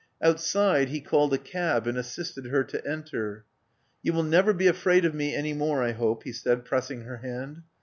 Outside, he called a cab, and assisted her to enter. '*You will never be afraid of me any more, I hope," he said, pressing her hand.